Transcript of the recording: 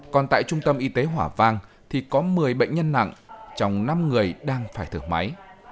còn tại trung tâm y tế hỏa vang thì có một mươi bệnh nhân nặng trong năm người đang phải thử máy